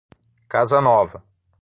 Casa Nova